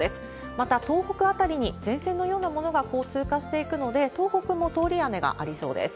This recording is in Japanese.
また、東北辺りに前線のようなものが通過していくので、東北も通り雨がありそうです。